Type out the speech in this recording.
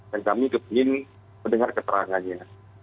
dan kami ingin mendengar keterangannya